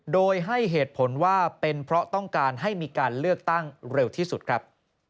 โดยให้เหตุผลว่าเป็นเพราะต้องการให้มีการเลือกตั้งเร็วที่สุดครับ